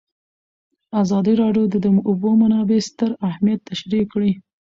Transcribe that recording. ازادي راډیو د د اوبو منابع ستر اهميت تشریح کړی.